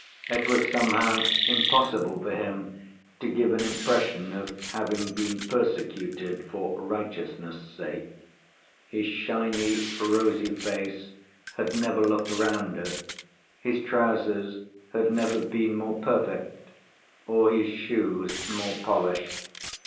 It was somehow impossible for him to give an impression of having been persecuted for righteousness' sake. His shiny, rosy face had never looked rounder, his trousers had never been more perfect or his shoes more polished.